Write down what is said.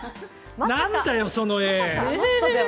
なんだよ、その絵。